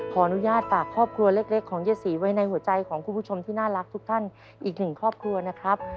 ขออนุญาตฝากครอบครัวเล็กของเย้สีไว้ในหัวใจของคุณผู้ชมที่น่ารักทุกท่านอีกหนึ่งครอบครัวนะครับ